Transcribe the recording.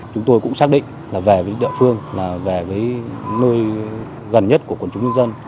chúng tôi cũng xác định là về với địa phương là về với nơi gần nhất của quần chúng nhân dân